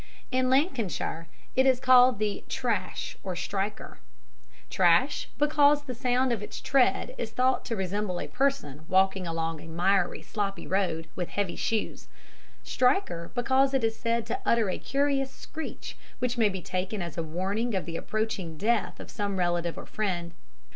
In Lancashire it is called the "Trash" or "Striker"; Trash, because the sound of its tread is thought to resemble a person walking along a miry, sloppy road, with heavy shoes; Striker, because it is said to utter a curious screech which may be taken as a warning of the approaching death of some relative or friend.